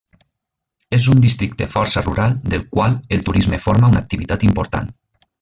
És un districte força rural del qual el turisme forma una activitat important.